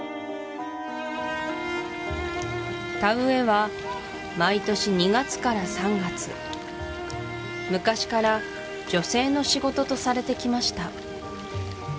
田植えは毎年２月から３月昔から女性の仕事とされてきました